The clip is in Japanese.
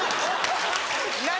何？